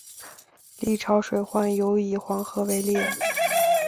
历朝水患尤以黄河为烈。